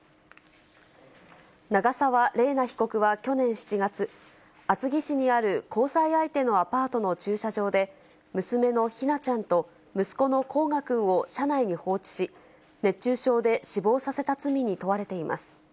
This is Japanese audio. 長沢麗奈被告は去年７月、厚木市にある交際相手のアパートの駐車場で、娘の姫梛ちゃんと息子の煌翔くんを車内に放置し、熱中症で死亡させた罪に問われています。